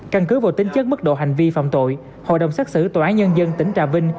căn cứ vào tính chất mức độ hành vi phạm tội hội đồng xác xử tòa án nhân dân tỉnh trà vinh